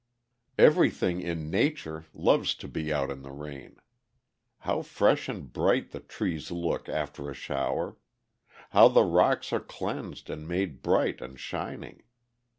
Everything in Nature loves to be out in the rain. How fresh and bright the trees look after a shower! How the rocks are cleansed and made bright and shining!